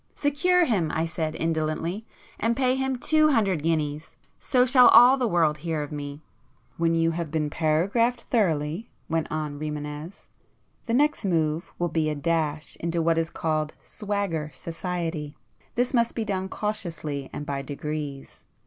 "Secure him!" I said indolently—"And pay him two hundred guineas! So shall all the world hear of me!" "When you have been paragraphed thoroughly," went on Rimânez—"the next move will be a dash into what is called 'swagger' society. This must be done cautiously and by degrees.